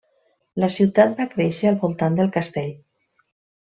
La ciutat va créixer al voltant del castell.